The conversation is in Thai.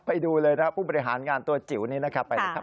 ไปดูเลยนะครับผู้บริหารงานตัวจิ๋วนี้นะครับไปเลยครับ